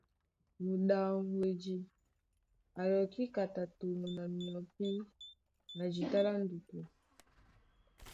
Mudaŋgwedi a yɔkí kata toŋgo na myɔpí na jíta lá ndutu.